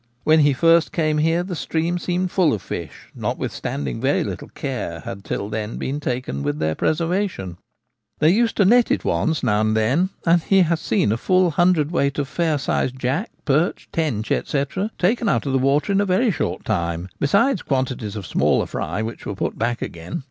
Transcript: When he first came here the stream seemed full of fish, notwithstanding very little care had till then been taken with their preservation. They used to net it once now and then, and he has seen a full hundredweight of fair sized jack, perch, tench, &c, taken out of the water in a very short time, besides quantities of smaller fry which were put back again.